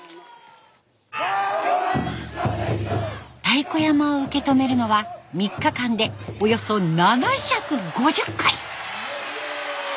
太鼓山を受け止めるのは３日間でおよそ７５０回。